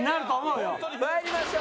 まいりましょう。